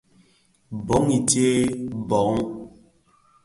Bông i tséé bông.